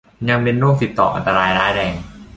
ยังเป็นโรคติดต่ออันตรายร้ายแรง